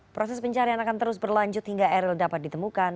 proses pencarian akan terus berlanjut hingga eril dapat ditemukan